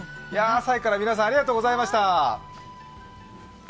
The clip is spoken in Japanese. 朝早くから皆さんありがとうございました。